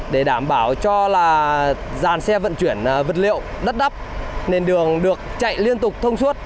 để đảm bảo cho là dàn xe vận chuyển vật liệu đắt đắp nền đường được chạy liên tục thông suốt